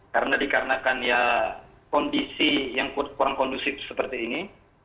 karena dikarenakan ya kondisi yang kurang kondusif seperti ini